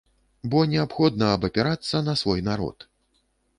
Бо неабходна абапірацца на свой народ.